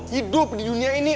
hidup di dunia ini